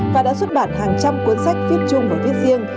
và đã xuất bản hàng trăm cuốn sách viết chung và viết riêng